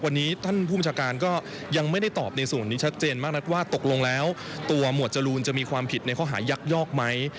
วันนี้ท่านผู้บัญชาการก็ยังไม่ได้ตอบในส่วนนี้ชัดเจนมากนักว่าตกลงแล้วตัวหมวดจรูนจะมีความผิดในข้อหายักยอกไหม